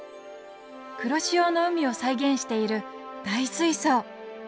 黒潮の海を再現している大水槽！